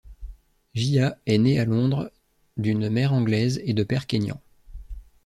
Gia est née à Londres d'une mère anglaise et de père kényan.